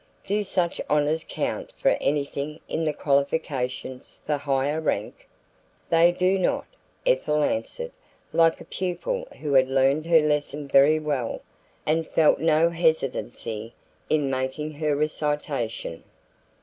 "Do such honors count for anything in the qualifications for higher rank?" "They do not," Ethel answered like a pupil who had learned her lesson very well and felt no hesitancy in making her recitation.